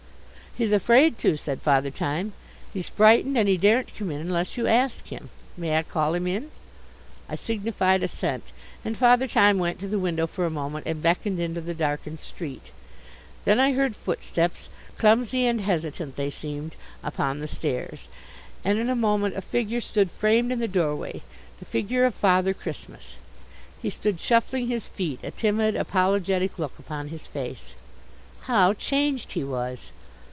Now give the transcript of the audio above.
"He's afraid to," said Father Time. "He's frightened and he daren't come in unless you ask him. May I call him in?" I signified assent, and Father Time went to the window for a moment and beckoned into the darkened street. Then I heard footsteps, clumsy and hesitant they seemed, upon the stairs. And in a moment a figure stood framed in the doorway the figure of Father Christmas. He stood shuffling his feet, a timid, apologetic look upon his face. How changed he was!